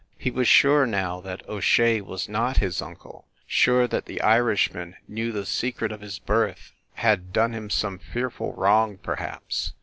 He was sure now that O Shea was not his uncle, sure that the Irishman knew the secret of his birth, had done him some fearful wrong, perhaps.